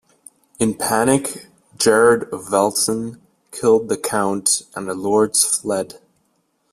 In panic Gerard of Velzen killed the count, and the lords fled.